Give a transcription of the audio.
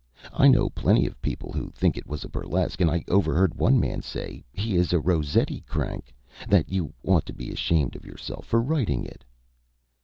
I know plenty of people who think it was a burlesque, and I overheard one man say he is a Rossetti crank that you ought to be ashamed of yourself for writing it."